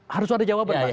harus ada jawaban